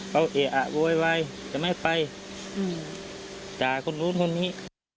เขาเอะอะโวยวายจะไม่ไปด่าคนนู้นคนนี้